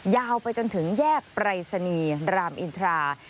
ยาวไปจนถึงแยกปรายศนีย์รามอินทรา